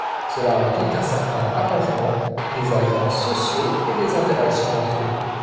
Cela implique un certain arrangement des agents sociaux, et des interactions entre eux.